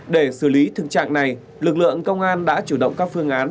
để xử lý thực trạng này lực lượng công an đã chủ động các phương án